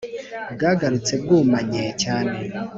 bwagarutse bwumanye, cyane